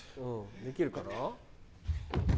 できるかな？